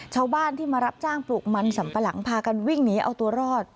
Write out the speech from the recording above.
ชาวบ้านที่มารับจ้างปลูกมันสัมปะหลังพากันวิ่งหนีเอาตัวรอด